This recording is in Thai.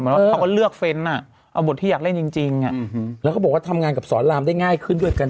ว่าเขาก็เลือกเฟนต์เอาบทที่อยากเล่นจริงแล้วเขาบอกว่าทำงานกับสอนรามได้ง่ายขึ้นด้วยกัน